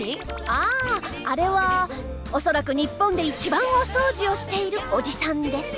あああれは恐らく日本で一番お掃除をしているおじさんです。